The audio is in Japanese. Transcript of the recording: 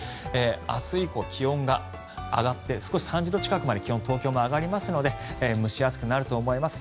明日以降、気温が上がって３０度近くまで東京も上がりますので蒸し暑くなると思います。